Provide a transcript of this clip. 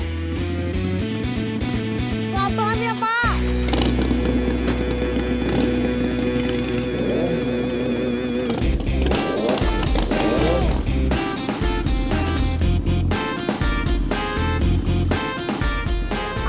lapan ya pak